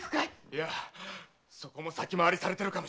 いや先回りされてるかも。